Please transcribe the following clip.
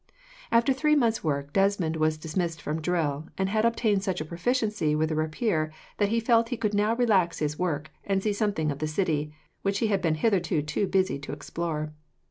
After three months' work Desmond was dismissed from drill, and had obtained such a proficiency with the rapier that he felt that he could now relax his work, and see something of the city, which he had been hitherto too busy to explore.